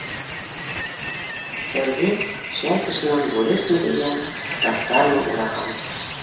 Фәүзиә шәл тышынан бүрекме кейгән, таҫтармы ураған.